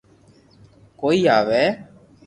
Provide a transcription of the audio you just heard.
ڪوئي آوي